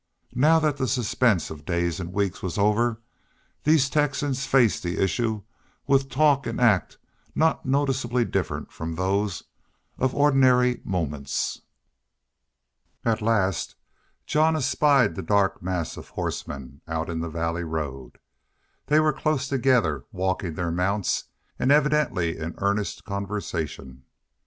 Now that the suspense of days and weeks was over, these Texans faced the issue with talk and act not noticeably different from those of ordinary moments. At last Jean espied the dark mass of horsemen out in the valley road. They were close together, walking their mounts, and evidently in earnest conversation.